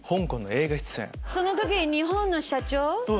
その時日本の社長。